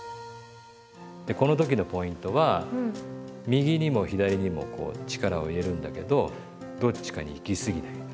右にも左にもこう力を入れるんだけどどっちかにいきすぎない。